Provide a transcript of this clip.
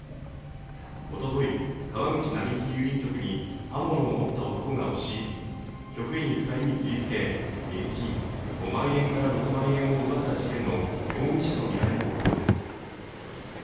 おととい、川口並木郵便局に刃物を追った男が押し入り局員２人に切りつけ現金５万円から６万円を奪った事件の容疑者とみられる男です。